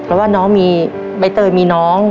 แต่ว่าใบเตยมีน้อง